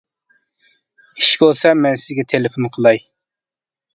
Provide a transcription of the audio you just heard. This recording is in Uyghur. ئىش بولسا مەن سىزگە تېلېفون قىلاي.